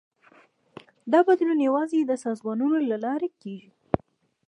دا بدلون یوازې د سازمانونو له لارې کېږي.